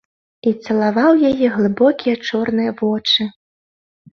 І цалаваў яе глыбокія чорныя вочы.